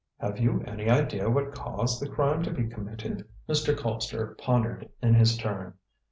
Have you any idea what caused the crime to be committed?" Mr. Colpster pondered in his turn.